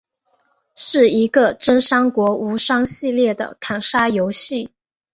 是一个真三国无双系列的砍杀游戏。